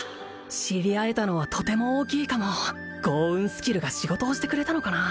知り合えたのはとても大きいかも豪運スキルが仕事をしてくれたのかな